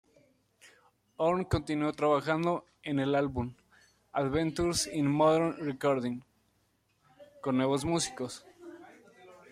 Horn continuó trabajando en el segundo álbum, "Adventures in Modern Recording", con nuevos músicos.